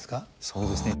そうですね。